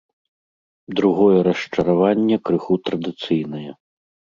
Другое расчараванне крыху традыцыйнае.